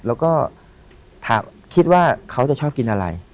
แล้วก็คิดว่าเขาจะชอบกินอะไร